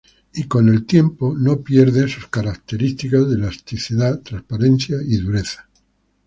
Y no pierde sus características de elasticidad, transparencia y dureza con el tiempo.